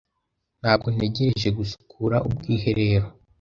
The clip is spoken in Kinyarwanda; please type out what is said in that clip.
Ntabwo ntegereje gusukura ubwiherero.